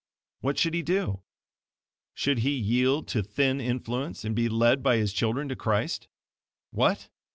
What should he do? Should he yield to thin influence and be led by his children to Christ? What!